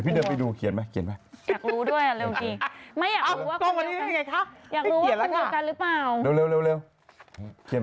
คุณเตยเดี๋ยวมันเดือดร้อน